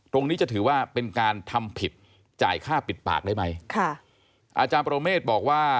ตรงนี้จะถือว่าเป็นการทำผิดจ่ายค่าปิดปากได้ไหมค่ะอาจารย์โปรเมฆบอกว่า